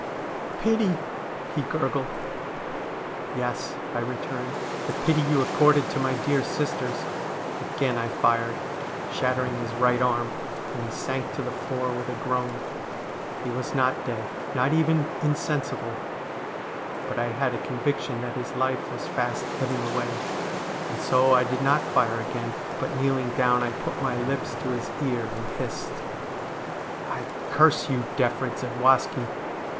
' Pity !' he gurgled. ' Yes,' I returned, ' the pity you accorded to my dear sisters.' Again I fired, shattering his right arm, and he sank to the floor with a groan. He was not dead, not even insensible, but I had a conviction that his life was fast ebbing away, and so I did not fire again, but kneeling down I put my lips to his ear, and hissed : 2Q0 STORIES WEIRD AND WONDERFUL ' I curse you, Defrid Zadwaski